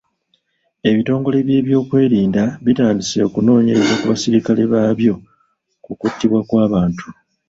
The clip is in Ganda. Ebitongole by'ebyokwerinda bitandise okunoonyereza ku baserikale baabyo ku kuttibwa kw'abantu.